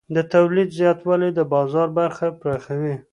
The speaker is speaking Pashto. د تولید زیاتوالی د بازار برخه پراخوي.